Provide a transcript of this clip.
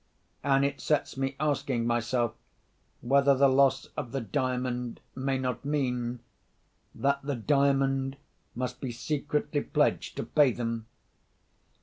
And it sets me asking myself, whether the loss of the Diamond may not mean—that the Diamond must be secretly pledged to pay them.